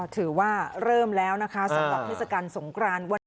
ถือว่าเริ่มแล้วนะคะสำหรับพฤษการสงคราน